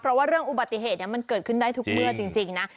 เพราะว่าเรื่องอุบัติเหตุมันเกิดขึ้นได้ทุกเมื่อจริงนะ